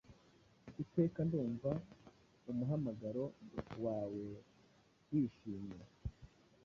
Iteka Ndumva umuhamagaro wawe wishimye,